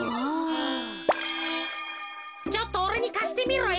ちょっとおれにかしてみろよ。